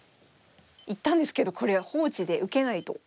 行ったんですけどこれは放置で受けないと。